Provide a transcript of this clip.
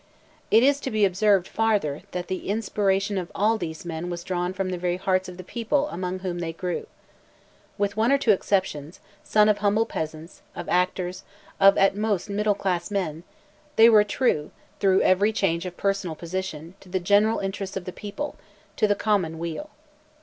It is to be observed, farther, that the inspiration of all these men was drawn from the very hearts of the people among whom they grew. With one or two exceptions, sons of humble peasants, of actors, of at most middle class men, they were true, through every change of personal position, to the general interests of the people—to the common weal.